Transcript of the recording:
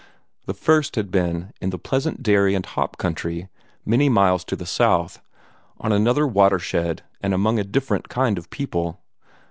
The first had been in the pleasant dairy and hop country many miles to the south, on another watershed and among a different kind of people.